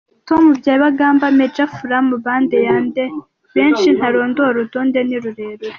Tom Byabagamba Major Furuma bande yande benshi ntarondora urutonde ni rurerure!